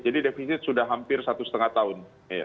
jadi defisit sudah hampir satu lima tahun